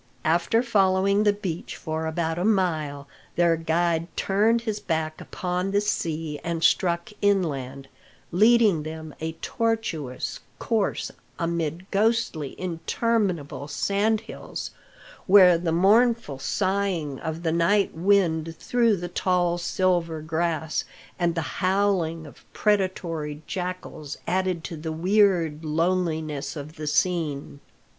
After following the beach for about a mile, their guide turned his back upon the sea and struck inland, leading them a tortuous course amid ghostly, interminable sand hills, where the mournful sighing of the night wind through the tall silver grass, and the howling of predatory jackals, added to the weird loneliness of the scene.